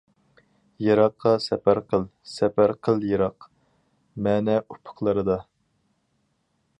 يىراققا سەپەر قىل، سەپەر قىل يىراق، مەنە ئۇپۇقلىرىدا.